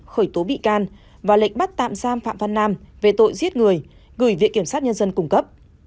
khởi tố bị can và lệnh bắt tạm giam phạm văn nam về tội giết người gửi viện kiểm sát nhân dân cung cấp